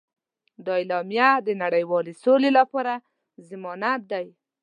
دا اعلامیه د نړیوالې سولې لپاره ضمانت دی.